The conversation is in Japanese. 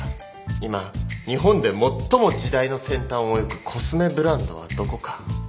今日本で最も時代の先端を行くコスメブランドはどこか？